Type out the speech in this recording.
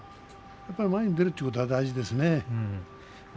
前に出るということは大事ですね。